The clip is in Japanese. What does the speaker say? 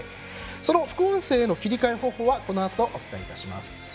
その副音声への切り替え方法はこのあとお伝えします。